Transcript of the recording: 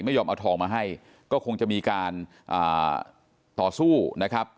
ไม่ยอมเอาทองมาให้ก็คงจะมีการต่อสู้นะครับ